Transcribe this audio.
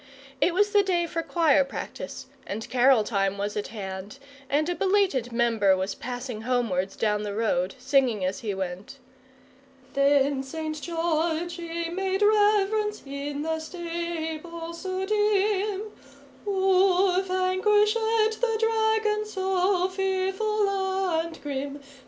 It was the day for choir practice, and carol time was at hand, and a belated member was passing homewards down the road, singing as he went: "Then St. George: ee made rev'rence: in the stable so dim, Oo vanquished the dragon: so fearful and grim.